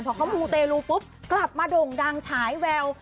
พอเขามูเตลูปุ๊บกลับมาโด่งดังฉายแวว